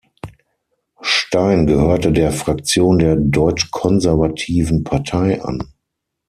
Stein gehörte der Fraktion der Deutschkonservativen Partei an.